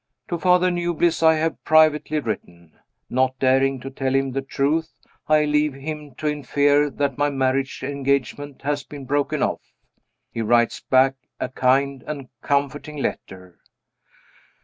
To Father Newbliss I have privately written. Not daring to tell him the truth, I leave him to infer that my marriage engagement has been broken off, he writes back a kind and comforting letter.